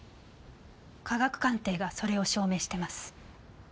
科学鑑定がそれを証明してます。